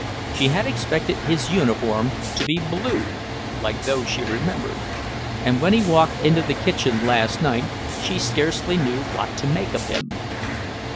She had expected his uniform to be blue, like those she remembered, and when he walked into the kitchen last night she scarcely knew what to make of him.